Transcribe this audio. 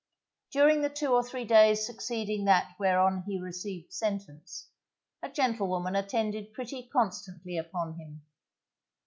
During the two or three days succeeding that whereon he received sentence, a gentlewoman attended pretty constantly upon him.